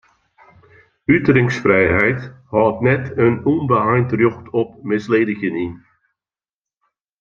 Uteringsfrijheid hâldt net in ûnbeheind rjocht op misledigjen yn.